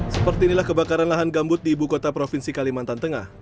seperti inilah kebakaran lahan gambut di ibu kota provinsi kalimantan tengah